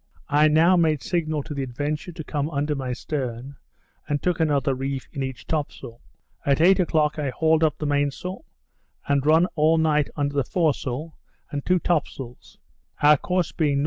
I now made signal to the Adventure to come under my stern, and took another reef in each top sail. At eight o'clock I hauled up the main sail, and run all night under the foresail, and two top sails; our course being N.N.